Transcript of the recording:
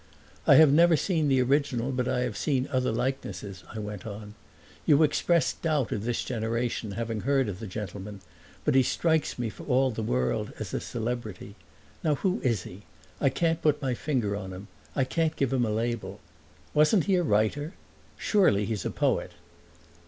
"I have never seen the original but I have seen other likenesses," I went on. "You expressed doubt of this generation having heard of the gentleman, but he strikes me for all the world as a celebrity. Now who is he? I can't put my finger on him I can't give him a label. Wasn't he a writer? Surely he's a poet."